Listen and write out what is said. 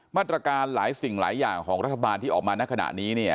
มาตรการหลายสิ่งหลายอย่างของรัฐบาลที่ออกมาในขณะนี้เนี่ย